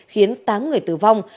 khiến tám người tử vong